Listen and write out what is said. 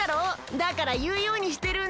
だからいうようにしてるんだ。